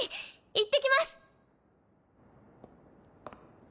いってきます！